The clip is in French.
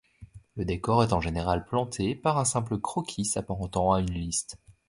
Le décor est en général planté par un simple croquis s'apparentant à une liste.